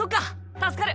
助かる。